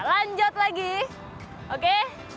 lanjut lagi oke